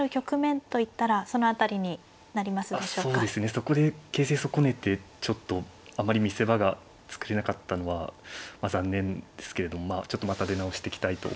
そこで形勢損ねてちょっとあまり見せ場が作れなかったのは残念ですけれどもまあちょっとまた出直してきたいと思います。